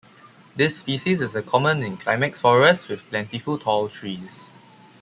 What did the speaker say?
This species is a common in climax forest with plentiful tall trees.